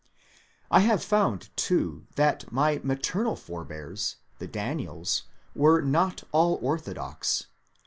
I have found, too, that my maternal forebears, the Daniels, were not all orthodox.